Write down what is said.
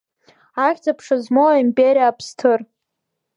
Ахьӡ-аԥша змоу аимпериа аԥсҭыр!